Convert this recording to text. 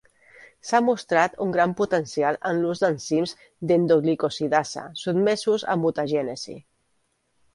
S'ha mostrat un gran potencial en l'ús d'enzims d'endoglicosidasa sotmesos a mutagènesi.